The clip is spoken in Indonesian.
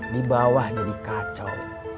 di bawah jadi kacau